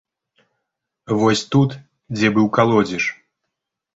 Вось тут, дзе быў калодзеж.